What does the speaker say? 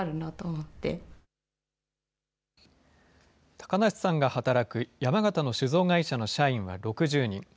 高梨さんが働く山形の酒造会社の社員は６０人。